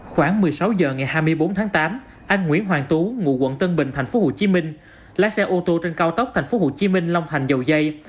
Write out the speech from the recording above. khoảng một mươi sáu h ngày hai mươi bốn tháng tám anh nguyễn hoàng tú ngụ quận tân bình tp hcm lái xe ô tô trên cao tốc tp hcm long thành dầu dây